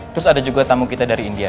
terus ada juga tamu kita dari india